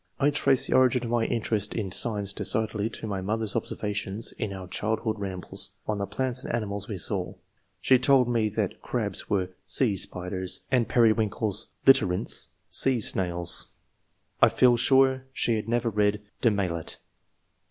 I trace the origin of my interest in science decidedly to my mother's observations in 166 ENGLISH MEN OF SCIENCE. [chap. our childhood rambles, on the plants and ani mals we saw. She told me that crabs were * sea spiders/ and periwinkles {UtKyrince) 'sea snails/ I feel sure she had never read * De Maillet